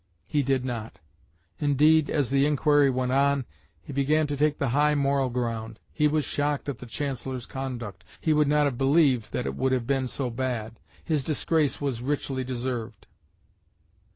He did not. Indeed, as the inquiry went on, he began to take the high moral ground; he was shocked at the Chancellor's conduct; he would not have believed that it could have been so bad; his disgrace was richly deserved.